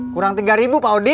kurang tiga ribu pak odi